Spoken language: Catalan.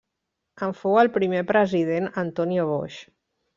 En fou el primer president Antonio Boix.